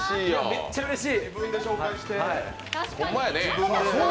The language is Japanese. めっちゃうれしい！